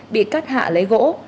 bị cắt hạ lấy gỗ